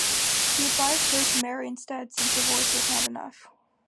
He advised her to marry instead, since her voice was not enough.